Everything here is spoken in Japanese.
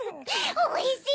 おいしい！